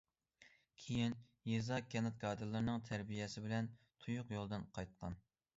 كېيىن يېزا، كەنت كادىرلىرىنىڭ تەربىيەسى بىلەن تۇيۇق يولدىن قايتقان.